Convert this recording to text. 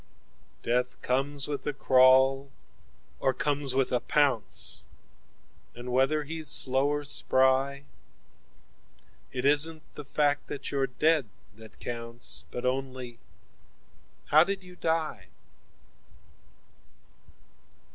21Death comes with a crawl, or comes with a pounce,22 And whether he's slow or spry,23It isn't the fact that you're dead that counts,24 But only how did you die?